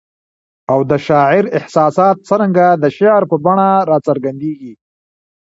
او د شاعر احساسات څرنګه د شعر په بڼه کي را څرګندیږي؟